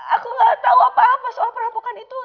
aku gak tahu apa apa soal perampokan itu